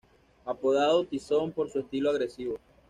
Apodado Tyson por su estilo agresivo.